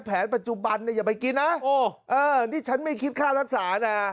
แผนปัจจุบันเนี่ยอย่าไปกินนะนี่ฉันไม่คิดค่ารักษานะ